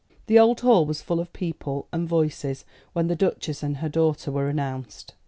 The old hall was full of people and voices when the Duchess and her daughter were announced.